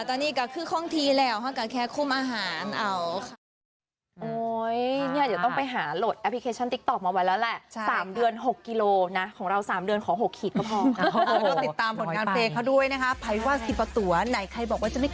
ตอนนี้ก็คือข้องทีแล้วเขาก็แค่คุมอาหาร